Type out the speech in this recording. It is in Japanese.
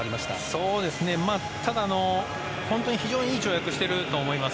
そうですね、ただ非常にいい跳躍してると思います。